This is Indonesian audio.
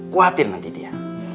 kuatir nanti dia